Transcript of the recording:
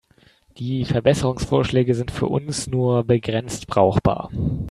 Die Verbesserungsvorschläge sind für uns nur begrenzt brauchbar.